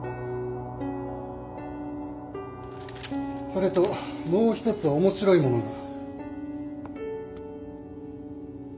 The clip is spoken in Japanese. それともう一つ面白いものが。